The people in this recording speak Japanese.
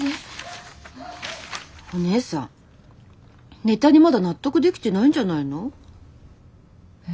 お姉さんネタにまだ納得できてないんじゃないの？え？